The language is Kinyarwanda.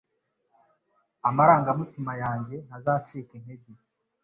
Amarangamutima yanjye ntazacika intege